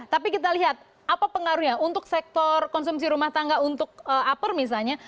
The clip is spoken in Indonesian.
tapi kita lihat apa pengaruhnya untuk sektor konsumsi rumah tangga untuk upper misalnya